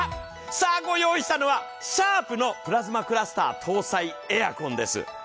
さあ、ご用意したのはシャープのプラズマクラスター搭載エアコンです。